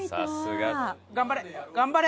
頑張れ！